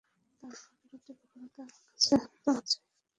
তারপরে রোদ্রের প্রখরতা তো আছেই।